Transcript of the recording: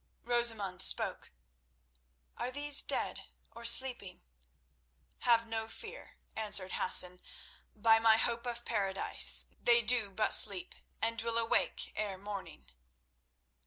Rosamund spoke. "Are these dead or sleeping?" "Have no fear," answered Hassan. "By my hope of paradise, they do but sleep, and will awake ere morning."